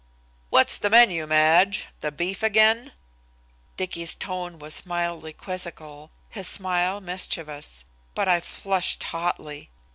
"What's the menu, Madge? The beef again?" Dicky's tone was mildly quizzical, his smile mischievous, but I flushed hotly.